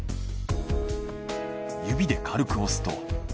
指で軽く押すと。